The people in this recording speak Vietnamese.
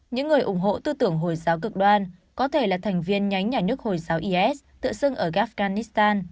những người ủng hộ tư tưởng hồi giáo cực đoan có thể là thành viên nhánh nhà nước hồi giáo is tựa sưng ở afghanistan